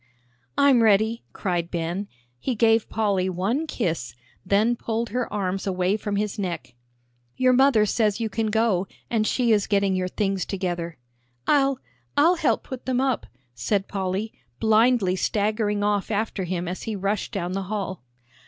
"I'm ready," cried Ben. He gave Polly one kiss, then pulled her arms away from his neck. "Your mother says you can go, and she is getting your things together." "I'll I'll help put them up," said Polly, blindly staggering off after him as he rushed down the hall.